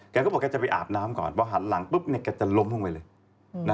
แกก็บอกแกจะไปอาบน้ำก่อนพอหันหลังปุ๊บเนี่ยแกจะล้มลงไปเลย